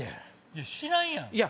いや知らんやん。